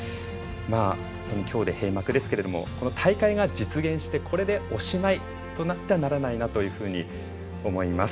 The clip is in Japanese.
きょうで閉幕ですけれども大会が実現してこれで、おしまいとなってはならないなというふうに思います。